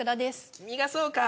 君がそうか。